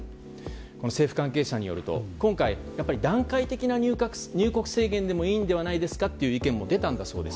政府関係者によると今回、段階的な入国制限でもいいのではないですかという意見も出たそうです。